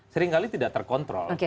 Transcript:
seringkali tidak terkontrol